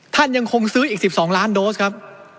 ท่านยังคงซื้ออีก๑๒ล้านโดสครับ